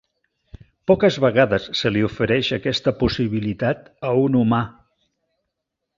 Poques vegades se li ofereix aquesta possibilitat a un humà.